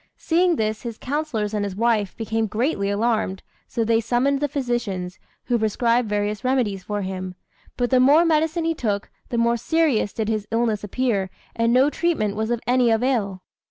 Seeing this, his councillors and his wife became greatly alarmed; so they summoned the physicians, who prescribed various remedies for him; but the more medicine he took, the more serious did his illness appear, and no treatment was of any avail.